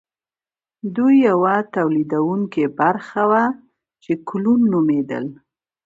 دوی یوه تولیدونکې برخه وه چې کولون نومیدل.